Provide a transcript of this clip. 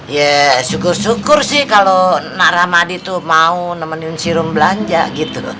ya syukur syukur sih kalau nara mahdi itu mau nemenin si rum belanja gitu